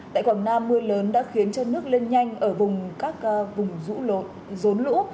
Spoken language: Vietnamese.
tại quảng nam mưa lớn đã khiến cho nước lên nhanh ở vùng rốn lũ